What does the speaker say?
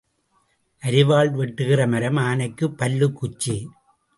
அரிவாள் வெட்டுகிற மரம் ஆனைக்குப் பல்லுக் குச்சி.